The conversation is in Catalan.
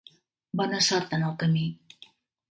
Bona sort en el camí.